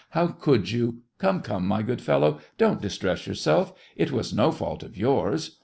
How could you? Come, come, my good fellow, don't distress yourself—it was no fault of yours.